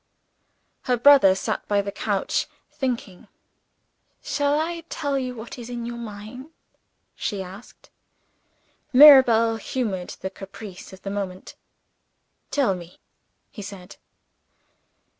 Her brother sat by the couch, thinking "Shall I tell you what is in your mind?" she asked. Mirabel humored the caprice of the moment. "Tell me!" he said.